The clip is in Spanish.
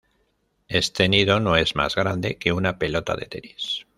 Este nido no es más grande que una pelota de tenis.